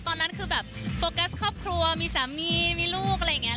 ตอนนั้นคือแบบโฟกัสครอบครัวมีสามีมีลูกอะไรอย่างนี้